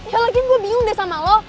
ya lagi gue bingung deh sama lo